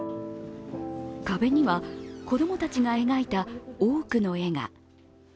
壁には、子供たちが描いた多くの絵が。